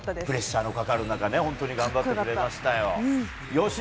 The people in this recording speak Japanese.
プレッシャーのかかる中本当によく頑張ってくれましたよ。